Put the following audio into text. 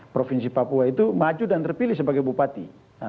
provinsi papua itu maju dan terpilih sebagai bupati